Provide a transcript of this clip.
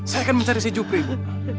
saya akan mencari si jepri ibu